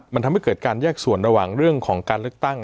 มันทำให้เกิดการแยกส่วนระหว่างเรื่องของการเลือกตั้ง